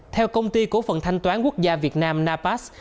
theo công ty cổ phần thanh toán quốc gia việt nam napas